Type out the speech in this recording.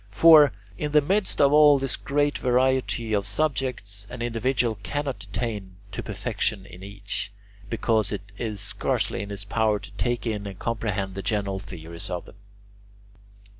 For, in the midst of all this great variety of subjects, an individual cannot attain to perfection in each, because it is scarcely in his power to take in and comprehend the general theories of them.